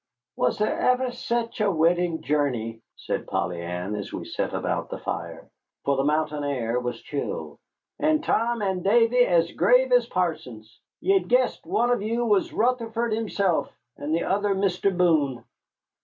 "Was there ever sech a wedding journey!" said Polly Ann, as we sat about the fire, for the mountain air was chill. "And Tom and Davy as grave as parsons. Ye'd guess one of you was Rutherford himself, and the other Mr. Boone."